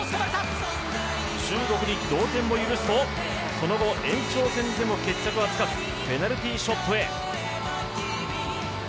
中国に同点を許すと、その後、延長戦でも決着はつかずペナルティ・ショットへ。